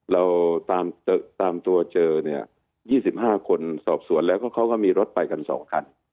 เราตามตัวเจอเนี่ย๒๕คนสอบสวนแล้วเขาก็มีรถไปกัน๒คัน